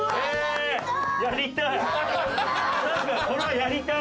やりたい。